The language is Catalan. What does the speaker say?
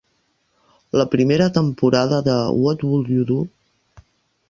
La primera temporada de "What Would You Do?"